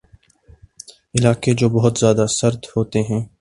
علاقے جو بہت زیادہ سرد ہوتے ہیں